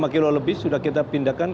lima kilo lebih sudah kita pindahkan